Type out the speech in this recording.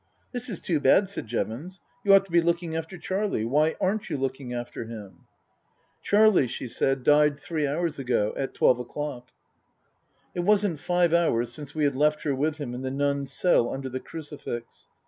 " This is too bad," said Jevons. " You ought to be looking after Charlie. Why aren't you looking after him ?''" Charlie," she said, " died three hours ago at twelve o'clock." It wasn't five hours since we had left her with him in the nun's cell under the crucifix.